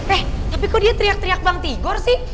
eh tapi kok dia teriak teriak bang tigor sih